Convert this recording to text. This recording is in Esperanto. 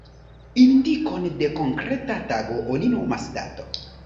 Indikon de konkreta tago oni nomas dato.